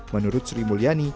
menurut sri mulyani